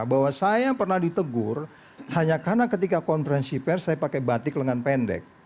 bahwa saya pernah ditegur hanya karena ketika konferensi pers saya pakai batik lengan pendek